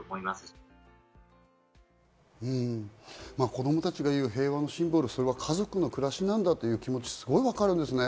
子供たちが言う平和のシンボル、それは家族の暮らしなんだという気持ち、すごいわかるんですね。